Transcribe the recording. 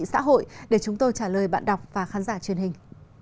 xã hội để chúng tôi trả lời bạn đọc và khán giả truyền hình